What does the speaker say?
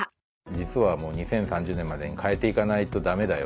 実はもう２０３０年までに変えて行かないとダメだよって。